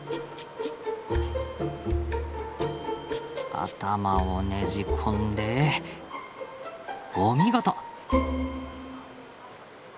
頭をねじ込んでお見事！